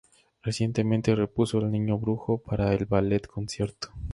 Recientemente, repuso El niño brujo para el Ballet Concierto.